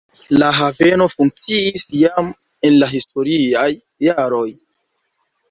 La haveno funkciis jam en la historiaj jaroj.